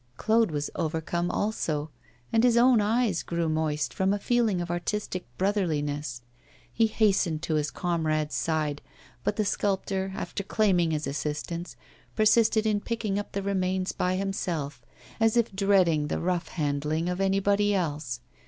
Claude was overcome also, and his own eyes grew moist from a feeling of artistic brotherliness. He hastened to his comrade's aide, but the sculptor, after claiming his assistance, persisted in picking up the remains by himself, as if dreading the rough handling of anybody else.